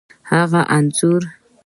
هغه انځور،